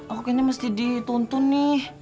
aku kayaknya mesti dituntun nih